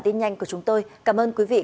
xin kính chào tạm biệt và hẹn gặp lại